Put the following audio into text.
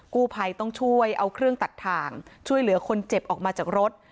กู้ภัยต้องช่วยเอาเครื่องตัดทางช่วยเหลือคนเจ็บออกมาจากรถ